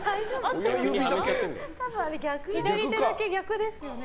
左手だけ逆ですね。